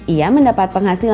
ia mendapat penghasilan